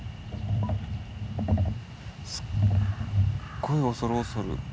すっごい恐る恐る。